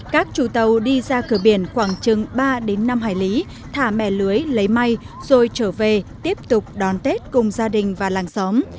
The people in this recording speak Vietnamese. các chủ tàu đi ra cửa biển khoảng chừng ba năm hải lý thả mẹ lưới lấy may rồi trở về tiếp tục đón tết cùng gia đình và làng xóm